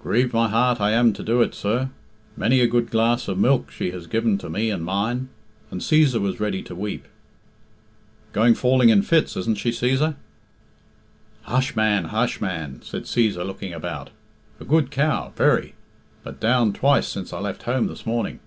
"Grieved in my heart I am to do it, sir. Many a good glass of milk she has given to me and mine," and Cæsar was ready to weep. "Going falling in fits, isn't she, Cæsar?" "Hush, man! hush, man!" said Cæsar, looking about. "A good cow, very; but down twice since I left home this morning."